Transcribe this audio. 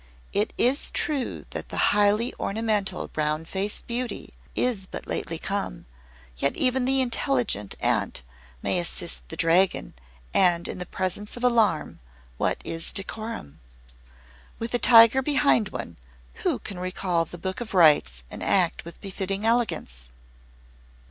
"It is true that the highly ornamental Round Faced Beauty is but lately come, yet even the intelligent Ant may assist the Dragon; and in the presence of alarm, what is decorum? With a tiger behind one, who can recall the Book of Rites and act with befitting elegance?"